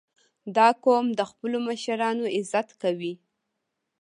• دا قوم د خپلو مشرانو عزت کوي.